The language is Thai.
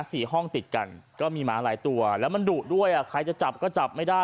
สี่ห้องติดกันก็มีหมาหลายตัวแล้วมันดุด้วยอ่ะใครจะจับก็จับไม่ได้